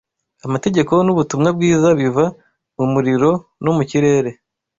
Amategeko n'ubutumwa bwiza biva mu muriro no mu kirere